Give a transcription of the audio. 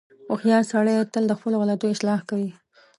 • هوښیار سړی تل د خپلو غلطیو اصلاح کوي.